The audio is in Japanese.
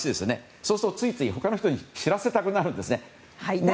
そうすると、ついつい他の人に知らせたくなるんです。